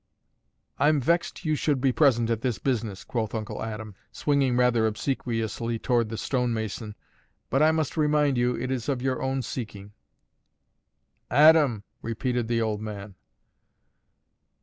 "I'm vexed you should be present at this business," quoth Uncle Adam, swinging rather obsequiously towards the stonemason; "but I must remind you it is of your own seeking." "Aadam!" repeated the old man.